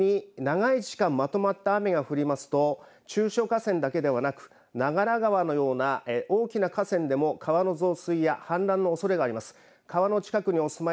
広範囲に長い時間まとまった雨が降りますと中小河川だけではなく長良川のような大きな河川でも川の増水や氾濫のおそれがあります。